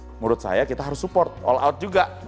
menurut saya kita harus support all out juga